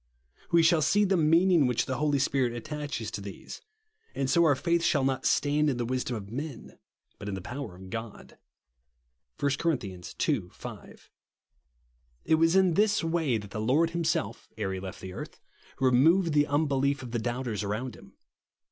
We shall see the meaning which the Holy Spirit attaches to these, and so our faith shall not " stand in the wisdom of men, but in the power of God," (1 Cor, ii. 5). It was in this way that the OF THE SUBSTITUTE. 73 Lord himself, ere lie left the earthy removed the unbelief of the doubters around him.